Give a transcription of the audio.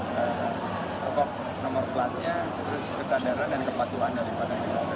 pokok nomor platnya terus kecandaran dan kepatuhan dari pak tengah kisah